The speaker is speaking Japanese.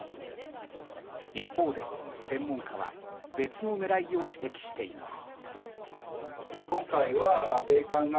一方で、専門家は別の狙いを指摘しています。